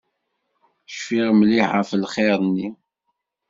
Cfiɣ mliḥ ɣef lxir-nni.